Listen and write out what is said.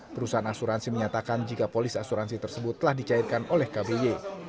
perusahaan asuransi menyatakan jika polis asuransi tersebut telah dicairkan oleh kby